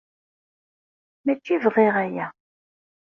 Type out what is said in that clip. Mačči bɣiɣ aya